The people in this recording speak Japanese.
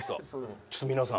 ちょっと皆さん。